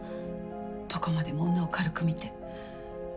どこまでも女を軽く見て。